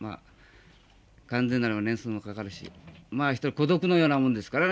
完全になるまで年数もかかるし一人孤独のようなものですからね